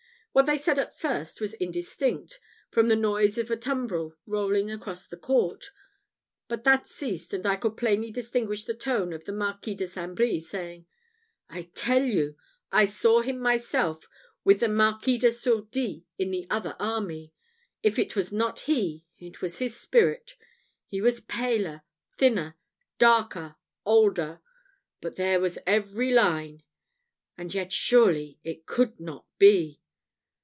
What they said at first was indistinct, from the noise of a tumbrel rolling across the court; but that ceased, and I could plainly distinguish the tone of the Marquis de St. Brie, saying, "I tell you, I saw him myself, with the Marquis de Sourdis in the other army: if it was not he, it was his spirit. He was paler, thinner, darker, older but there was every line and yet surely it could not be."